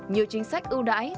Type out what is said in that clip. nhiều chính sách ưu đãi